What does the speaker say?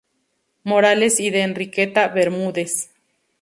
Morales y de Enriqueta Bermúdez.